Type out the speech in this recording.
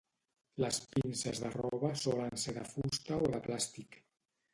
Les pinces de roba solen ser de fusta o de plàstic.